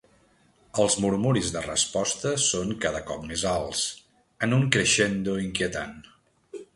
Els murmuris de resposta són cada cop més alts, en un crescendo inquietant.